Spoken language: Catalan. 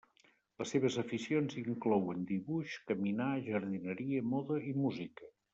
Les seves aficions inclouen dibuix, caminar, jardineria, moda, i música.